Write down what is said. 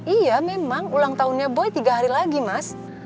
iya memang ulang tahunnya boy tiga hari lagi mas